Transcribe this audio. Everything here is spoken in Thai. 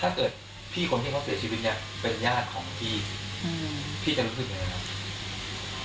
ถ้าเกิดพี่คนที่เขาเสียชีวิตเนี่ยเป็นญาติของพี่พี่จะรู้สึกยังไงครับ